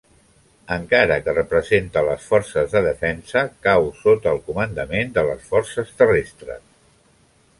Encara que representa les forces de defensa, cau sota el comandament de les Forces Terrestres.